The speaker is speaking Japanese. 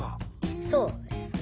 そうですね。